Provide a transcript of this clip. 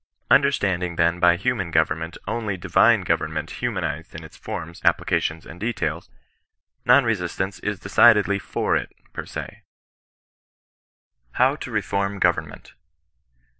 Understanding then by human government only divine government hutnanized in its forms, applications, and details, non resistance is decidedly /or it per se, HOW TO BEFOBH GOYEBNMENT.